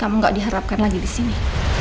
kamu gak diharapkan lagi disini